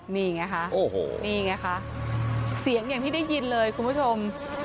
นี่ไงคะโอ้โหนี่ไงคะเสียงอย่างที่ได้ยินเลยคุณผู้ชม